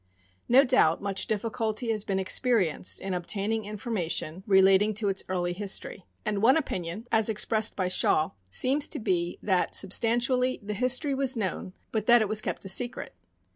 No doubt much difficulty has been experienced in obtaining information relating to its early history; and one opinion, as expressed by Shaw, seems to be that, substan tially, the history was known, but that it was kept a secret.